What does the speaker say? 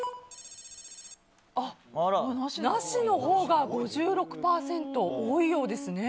なしのほうが５６％多いようですね。